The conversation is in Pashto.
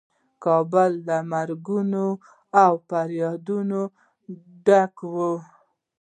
کابل له مرګونو او فریادونو ډک و.